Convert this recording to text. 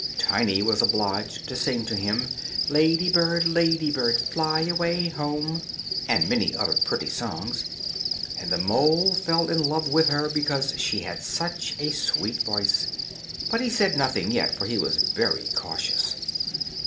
Tiny was obliged to sing to him, "Lady bird, lady bird, fly away home," and many other pretty songs. And the mole fell in love with her because she had such a sweet voice; but he said nothing yet, for he was very cautious.